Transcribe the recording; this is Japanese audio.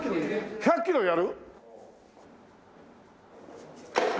１００キロやる！？